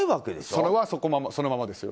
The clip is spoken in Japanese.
それは、そのままですよね。